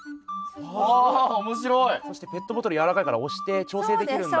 そしてペットボトル軟らかいから押して調整できるんだ。